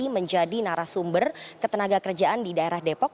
menjadi narasumber ketenaga kerjaan di daerah depok